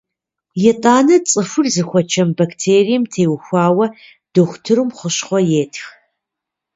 Итӏанэ цӏыхур зыхуэчэм бактерием теухуауэ дохутырым хущхъуэ етх.